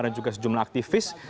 dan juga sejumlah aktivis